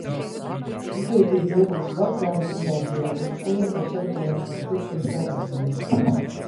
Izglītību ieguvis Varakļānu ģimnāzijā un skolotāju sagatavošanas kursos Daugavpilī.